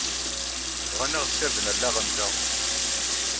Bɣan ad ɣ-sirden allaɣ-nteɣ.